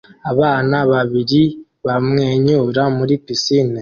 Abana babiri bamwenyura muri pisine